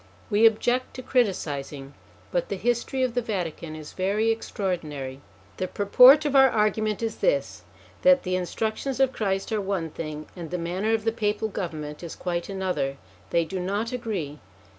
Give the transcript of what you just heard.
We object to criticising, but the history of the Vatican is very extraordinary. The purport of our argument is this, that the instructions of Christ are one thing, and the manner of the Papal government is quite another : they do not agree.